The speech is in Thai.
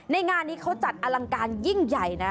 งานนี้เขาจัดอลังการยิ่งใหญ่นะ